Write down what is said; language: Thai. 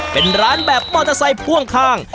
เป็นร้านแบบมอเตอร์ไซค์พ่วงข้าง